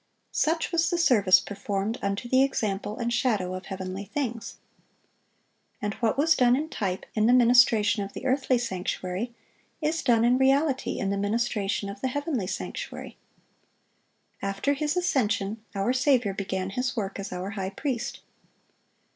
Such was the service performed "unto the example and shadow of heavenly things." And what was done in type in the ministration of the earthly sanctuary, is done in reality in the ministration of the heavenly sanctuary. After His ascension, our Saviour began His work as our high priest.